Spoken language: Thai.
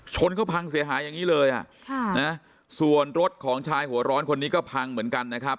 ชนเขาพังเสียหายอย่างนี้เลยอ่ะค่ะนะส่วนรถของชายหัวร้อนคนนี้ก็พังเหมือนกันนะครับ